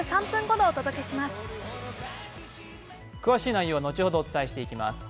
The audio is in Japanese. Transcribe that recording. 詳しい内容は後ほどお伝えしていきます。